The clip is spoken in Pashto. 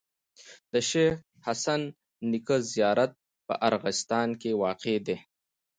د شيخ حسن نیکه زیارت په ارغستان کي واقع دی.